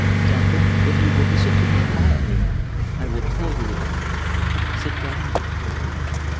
Duncan, if you will listen to me quietly, I will tell you about it. Sit down, dear."